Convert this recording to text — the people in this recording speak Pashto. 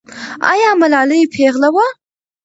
آیا ملالۍ پېغله وه؟